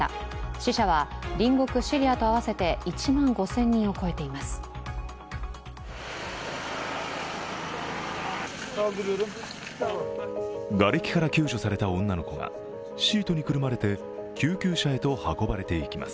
死者は隣国シリアと合わせて１万５０００人を超えています。